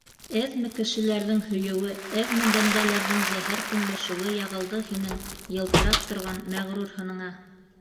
Әҙме кешеләрҙең һөйөүе, әҙме бәндәләрҙең зәһәр көнләшеүе яғылды һинең йылтырап торған мәғрур һыныңа!